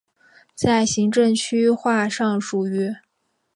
在行政区划上属于。